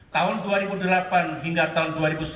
tahun dua ribu delapan hingga tahun dua ribu sembilan